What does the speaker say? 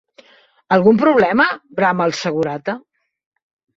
Algun problema? —brama el segurata.